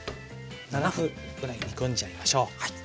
７分ぐらい煮込んじゃいましょう。